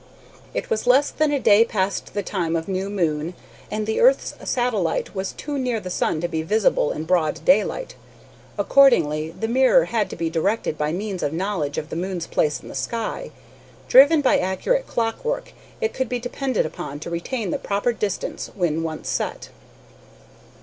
It was less than a day past the time of new moon, and the earth's satellite was too near the sun to be visible in broad daylight. Accordingly, the mirror had to be directed by means of knowledge of the moon's place in the sky. Driven by accurate clockwork, it could be depended upon to retain the proper direction when once set.